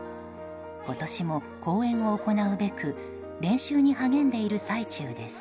今年も講演を行うべく練習に励んでいる最中です。